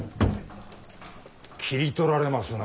切り取られますな